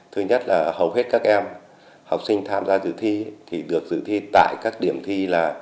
thứ nhất là hầu hết các em học sinh tham gia dự thi thì được dự thi tại các điểm thi là